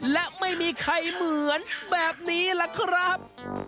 และไม่มีใครเหมือนแบบนี้ล่ะครับ